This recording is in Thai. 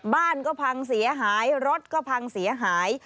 บ้านก็พังเสียหายรถก็พังเสียหาย